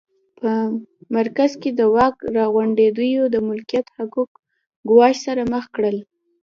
په مرکز کې د واک راغونډېدو د ملکیت حقوق ګواښ سره مخ کړل